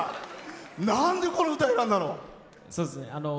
なんでこの歌を選んだの？